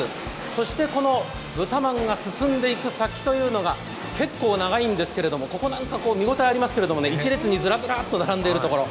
そして豚まんが進んでいく先というのが結構長いんですけど、ここなんか見応えありますけど、１列にずらずらっと並んでいるところ。